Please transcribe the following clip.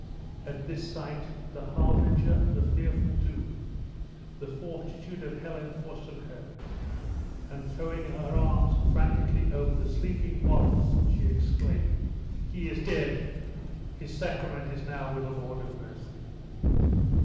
At this sight, the harbinger of a fearful doom, the fortitude of Helen forsook her; and throwing her arms frantically over the sleeping Wallace, she exclaimed, "He is dead! his sacrament is now with the Lord of Mercy!"